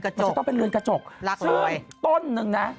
แต่มันจะต้องเป็นเรือนกระจกซึ่งต้นหนึ่งนะ